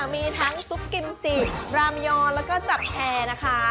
มีทั้งซุปกิมจิรามยอแล้วก็จับแชร์นะคะ